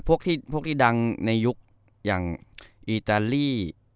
พวกที่ดังในยุคอย่างอิตาลี